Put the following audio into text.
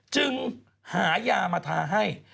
จึงหายามาทาให้